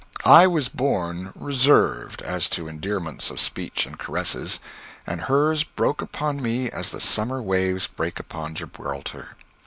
I was born reserved as to endearments of speech and caresses, and hers broke upon me as the summer waves break upon Gibraltar.